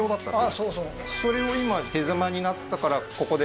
あっそうそうそれを今手狭になったからここで？